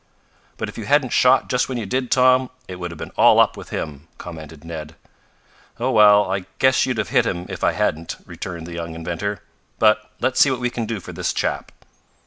"But if you hadn't shot just when you did, Tom, it would have been all up with him," commented Ned. "Oh, well, I guess you'd have hit him if I hadn't," returned the young inventor. "But let's see what we can do for this chap."